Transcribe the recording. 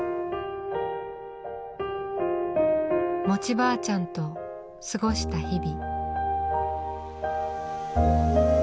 餅ばあちゃんと過ごした日々。